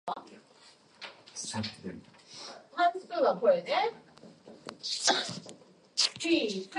I knew Jack from the years I played in Toronto.